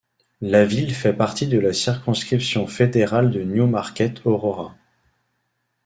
La ville fait partie de la circonscription fédérale de Newmarket—Aurora.